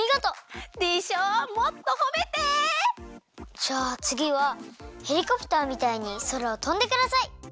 じゃあつぎはヘリコプターみたいにそらをとんでください！